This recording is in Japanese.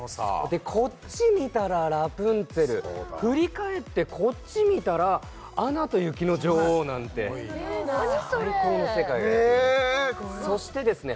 でこっち見たらラプンツェル振り返ってこっち見たらアナと雪の女王なんて・何それ最高の世界がそしてですね